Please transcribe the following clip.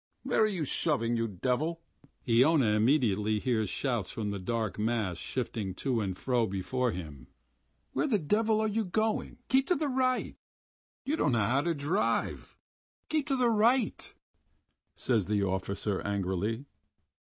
"Where are you shoving, you devil?" Iona immediately hears shouts from the dark mass shifting to and fro before him. "Where the devil are you going? Keep to the r right!" "You don't know how to drive! Keep to the right," says the officer angrily.